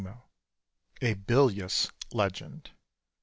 _ A BIL IOUS LEGEND.